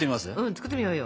作ってみようよ！